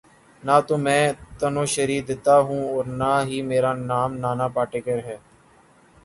نہ تو میں تنوشری دتہ ہوں اور نہ ہی میرا نام نانا پاٹیکر ہے